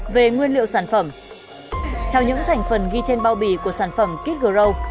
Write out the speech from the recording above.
về nguyên liệu sản phẩm theo những thành phần ghi trên bao bì của sản phẩm kitgrow